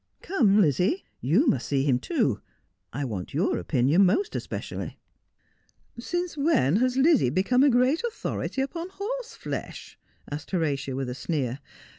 Come, Lizzie, you must see him too. I want your opinion most especially.' ' Since when has Lizzie become a great authority upon horse flesh 1 ' asked Horatia, with a sneer.